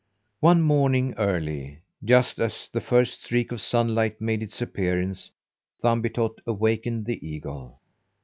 One morning early, just as the first streak of sunlight made its appearance, Thumbietot awakened the eagle.